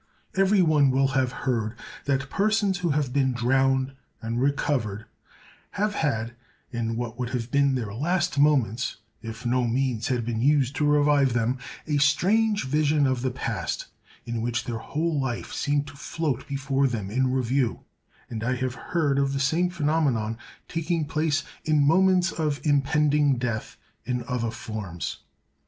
Every one will have heard that persons who have been drowned and recovered, have had—in what would have been their last moments, if no means had been used to revive them—a strange vision of the past, in which their whole life seemed to float before them in review; and I have heard of the same phenomenon taking place, in moments of impending death, in other forms.